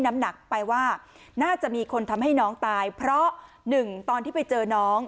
น้ำหนักไปว่าน่าจะมีคนทำให้น้องตายเพราะหนึ่งตอนที่ไปเจอน้อง